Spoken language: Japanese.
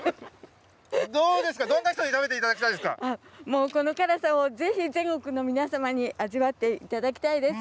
どうですか、どんな人に食べていこの辛さを、ぜひ全国の皆様に味わっていただきたいです。